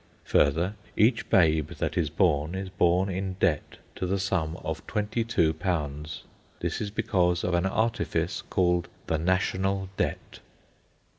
Further, each babe that is born, is born in debt to the sum of £22. This is because of an artifice called the National Debt.